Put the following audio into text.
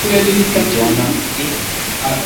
Vijana wamesikiza mawaidha